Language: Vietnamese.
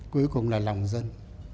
cuối cùng là lòng dân